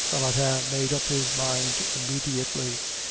Valentin made up his mind immediately.